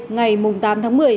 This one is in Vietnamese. ngày tám tháng một mươi